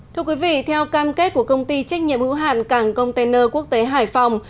thưa quý vị theo cam kết của công ty trách nhiệm hữu hạn cảng container quốc tế hải phòng